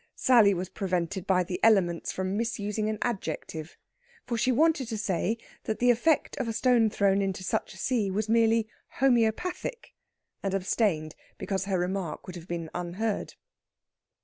Sally was prevented by the elements from misusing an adjective; for she wanted to say that the effect of a stone thrown into such a sea was merely "homoeopathic," and abstained because her remark would have been unheard.